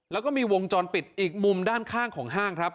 แล้วก็มีวงจรปิดอีกมุมด้านข้างของห้างครับ